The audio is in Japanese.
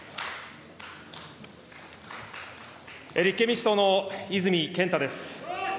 立憲民主党の泉健太です。